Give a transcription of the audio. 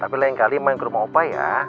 tapi lain kali main ke rumah upah ya